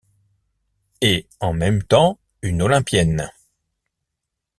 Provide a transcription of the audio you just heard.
Et en même temps une olympienne.